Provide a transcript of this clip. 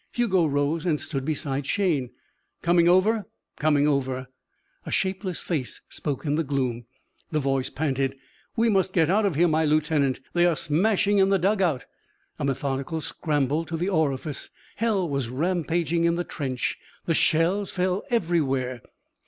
Hugo rose and stood beside Shayne. "Coming over?" "Coming over." A shapeless face spoke in the gloom. The voice panted. "We must get out of here, my lieutenant. They are smashing in the dug out." A methodical scramble to the orifice. Hell was rampaging in the trench. The shells fell everywhere.